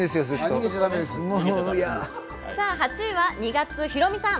８位は２月、ヒロミさん。